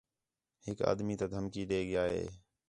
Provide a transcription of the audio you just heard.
ہِک آدمی تا دھمکی ݙے ڳِیا ہِے